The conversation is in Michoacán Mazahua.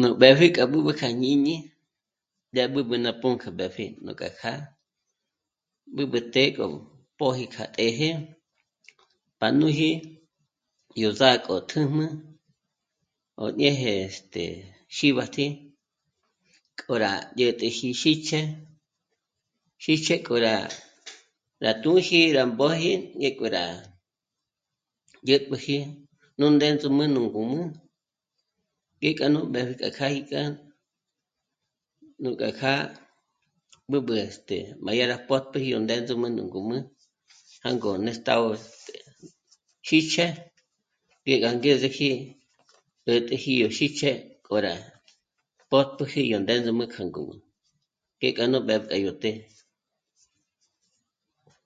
Nú mbépji kjá b'ǚb'ü kja jñíñi, yá b'ǚb'ü ná pǔnk'ü mbépji núk'a kjâ'a b'ǚb'ü të́'ë k'o póji k'a të́jë pa nûji yó zâ'k'o tjǘjnü ó ñeje este... xíbati k'o rá dyä̀t'äji xíjche..., xíjche k'o rá... rá tûnji rá mbóji ngé k'o rá dyä̀tpäji nú ndéndzuma nú ngǔm'ü ngék'a nú mbépji k'a í kjâ'a, núkja kjâ'a b'ǚb'ü este... má yá rá pö́tpjüji yó ndéndzuma nú ngǔm'ü jângo néstagö xíjch'e í gá angezeji 'ä̀t'äji yó xíjche k'o rá pö́tpjüji yó ndéndzuma kja ngǔm'ü, ngék'a nú mbépji kja yó të́'ë